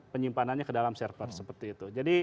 penyimpanannya ke dalam server seperti itu jadi